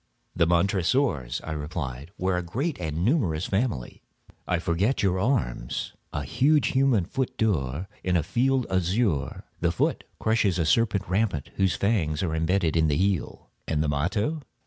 "The Montresors," I replied, "were a great and numerous family." "I forget your arms." "A huge human foot d'or, in a field azure; the foot crushes a serpent rampant whose fangs are imbedded in the heel." "And the motto?"